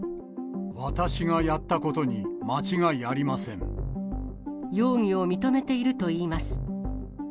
私がやったことに間違いあり容疑を認めているといいます。